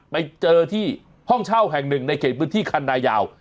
ไปเจอที่ห้องเช่าแห่งหนึ่งในเขตพื้นที่คันนายาว